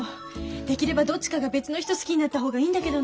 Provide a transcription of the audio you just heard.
できればどっちかが別の人好きになった方がいいんだけどね。